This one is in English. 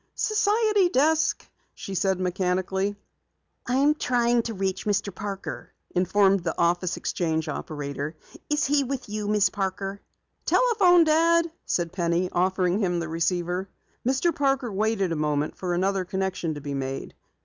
"Society desk," she said mechanically. "I am trying to trace Mr. Parker," informed the office exchange operator. "Is he with you, Miss Parker?" "Telephone, Dad," said Penny, offering him the receiver. Mr. Parker waited a moment for another connection to be made.